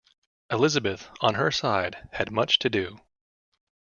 Elizabeth, on her side, had much to do.